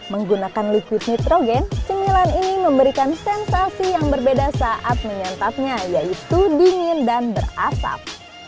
menggunakan liquid nitrogen cemilan ini memberikan sensasi yang berbeda saat menyantapnya yaitu dingin dan berasap